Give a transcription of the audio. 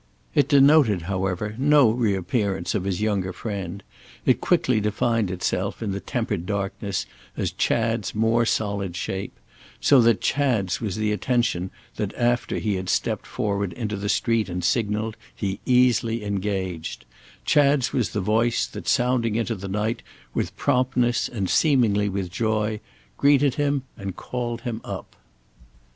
It denoted however no reappearance of his younger friend; it quickly defined itself in the tempered darkness as Chad's more solid shape; so that Chad's was the attention that after he had stepped forward into the street and signalled, he easily engaged; Chad's was the voice that, sounding into the night with promptness and seemingly with joy, greeted him and called him up.